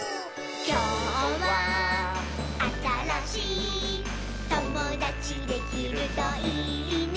「きょうはあたらしいともだちできるといいね」